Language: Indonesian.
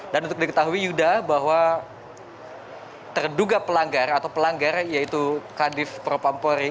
dan untuk diketahui yuda bahwa terduga pelanggar atau pelanggar yaitu kadif pro pampori